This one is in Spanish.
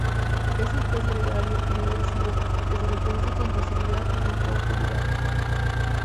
Es un pez gregario y no agresivo que se reproduce con facilidad en cautividad.